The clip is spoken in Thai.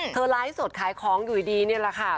เธอไลน์สดขายของอยู่ดีนี่ล่ะค่ะ